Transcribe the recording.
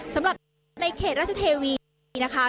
สำหรับในเขตราชเทวีนะคะ